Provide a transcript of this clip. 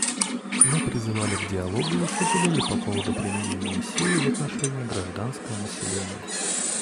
Мы призывали к диалогу и сожалели по поводу применения силы в отношении гражданского населения.